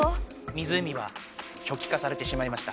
湖はしょきかされてしまいました。